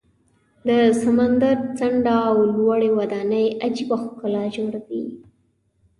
د سمندر څنډه او لوړې ودانۍ عجیبه ښکلا جوړوي.